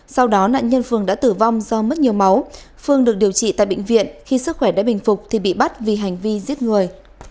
sau đó nạn nhân phường đã tử vong do mất nhiều máu phương được điều trị tại bệnh viện khi sức khỏe đã bình phục thì bị bắt vì hành vi giết người